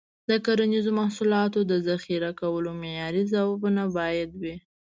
د کرنیزو محصولاتو د ذخیره کولو معیاري ځایونه باید وي.